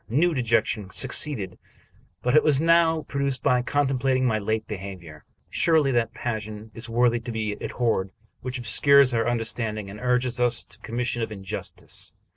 New dejection succeeded, but was now produced by contemplating my late behavior. Surely that passion is worthy to be abhorred which obscures our understanding and urges us to the com mission of injustice.